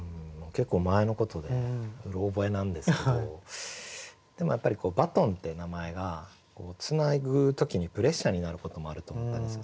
結構前のことでうろ覚えなんですけどでもやっぱりバトンって名前がつなぐ時にプレッシャーになることもあると思ったんですよ。